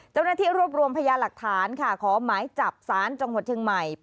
เจ้าหน้าที่รวบรวมพยาหลักฐานค่ะขอหมายจับสารจังหวัดเชียงใหม่